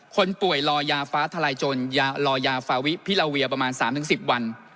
คนป่วยรอยาฟ้าทลายจนรอยาฟาวิพิลาเวียประมาณ๓๑๐วัน